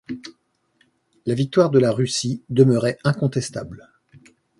La victoire de la Russie demeurait incontestable.